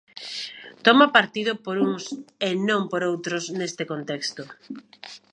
Toma partido por uns e non por outros neste contexto.